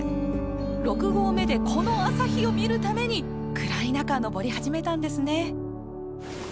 ６合目でこの朝日を見るために暗い中登り始めたんですね。